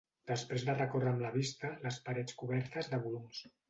Després de recórrer amb la vista les parets cobertes de volums..